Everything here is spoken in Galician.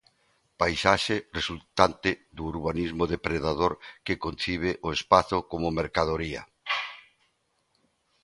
Paisaxe resultante do urbanismo depredador que concibe o espazo como mercadoría.